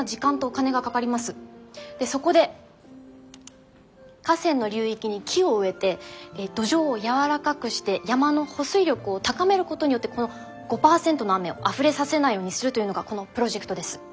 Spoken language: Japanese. そこで河川の流域に木を植えて土壌を柔らかくして山の保水力を高めることによってこの５％の雨をあふれさせないようにするというのがこのプロジェクトです。